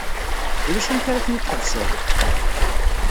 Ulac amek ara ten-id-tḥebseḍ?